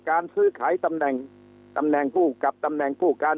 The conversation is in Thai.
การซื้อขายตำแหน่งตำแหน่งผู้กับตำแหน่งผู้การ